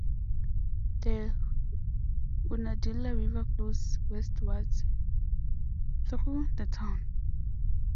The Unadilla River flows westward through the town.